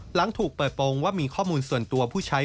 หลังถูกเปิดโปรงว่ามีข้อมูลส่วนตัวผู้ใช้